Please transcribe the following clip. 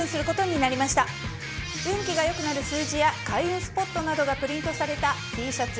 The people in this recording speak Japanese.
運気が良くなる数字や開運スポットなどがプリントされたＴシャツ